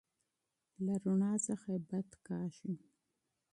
له رڼایي څخه یې بدې راځي.